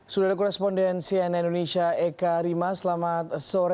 sudah ada korespondensi nn indonesia eka rima selamat sore